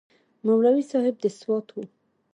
مولوي صاحب د سوات و.